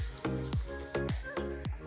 pembelajaran dari sepeda di taro